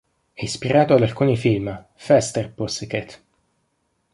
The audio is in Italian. È ispirato ad alcuni film: "Faster, Pussycat!